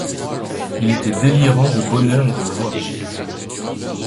Il était délirant de bonheur et de joie.